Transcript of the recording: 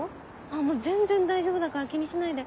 もう全然大丈夫だから気にしないで。